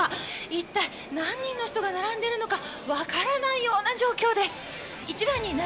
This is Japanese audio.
一体、何人の人が並んでるのか分からないような状況です。